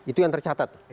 itu yang tercatat